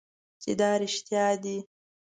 چې دا رښتیا دي .